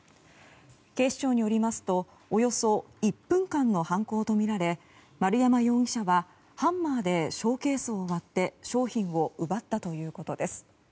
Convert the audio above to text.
警視庁によりますとおよそ１分間の犯行とみられ丸山容疑者はハンマーでショーケースを割って商品を奪ったということです。